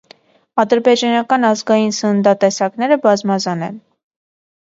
Ադրբեջանական ազգային սննդատեսակները բազմազան են։